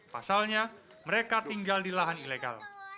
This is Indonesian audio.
pasalnya mereka tinggal di lahan ilegal